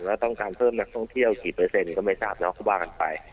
แล้วต้องการเพิ่มนักท่องเที่ยวกี่เปอร์เซ็นต์ก็ไม่ทราบเนาะก็ว่ากันไป